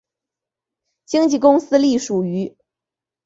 经纪公司隶属于。